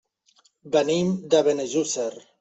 Venim de Benejússer.